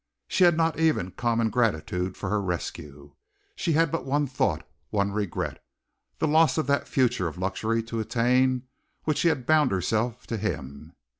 She had not even common gratitude for her rescue! She had but one thought, one regret, the loss of that future of luxury to attain which she had bound herself to him.